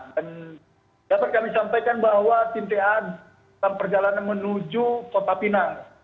dan dapat kami sampaikan bahwa tim ta dalam perjalanan menuju kota pinang